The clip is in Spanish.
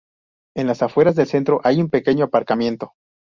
En las afueras del centro hay un pequeño aparcamiento.